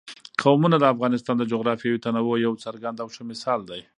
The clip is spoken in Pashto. قومونه د افغانستان د جغرافیوي تنوع یو څرګند او ښه مثال دی.